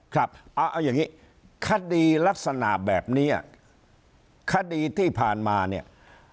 ครับเอาอย่างนี้คดีลักษณะแบบนี้คดีที่ผ่านมาเนี่ย